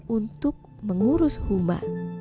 untuk mengurus huma